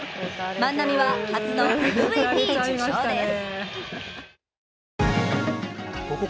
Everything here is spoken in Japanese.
万波は初のＭＶＰ受賞です。